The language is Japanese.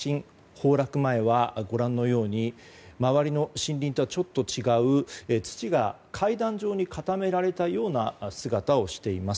崩落前はご覧のように周りの森林とちょっと違う土が階段状に固められたような姿をしています。